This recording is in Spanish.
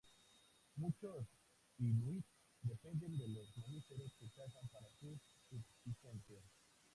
Muchos inuit dependen de los mamíferos que cazan para su subsistencia.